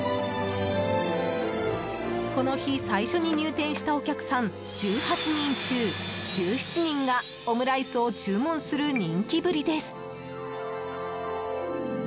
この日最初に入店したお客さん１８人中１７人がオムライスを注文する人気ぶりです。